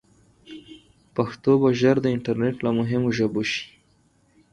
پښتو به ژر د انټرنیټ له مهمو ژبو شي.